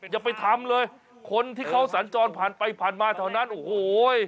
อย่าไปทำเลยคนที่เขาสัญจรผ่านไปผ่านมาแถวนั้นโอ้โห